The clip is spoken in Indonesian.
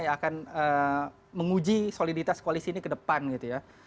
yang akan menguji soliditas koalisi ini ke depan gitu ya